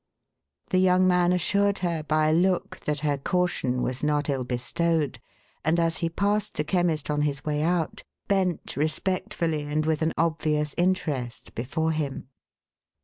The young man assured her, by a look, that her caution was not ill bestowed ; and as he passed the Chemist on his way out, bent respectfully and with an obvious interest before him.